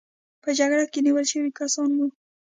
په جګړه کې نیول شوي کسان وو.